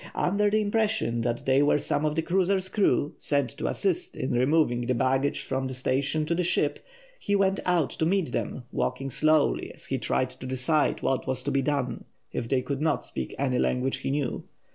Under the impression that they were some of the cruiser's crew sent to assist in removing the baggage from the station to the ship, he went out to meet them, walking slowly, as he tried to decide what was to be done if they could not speak any language he knew.